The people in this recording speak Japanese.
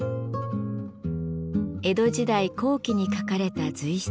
江戸時代後期に書かれた随筆。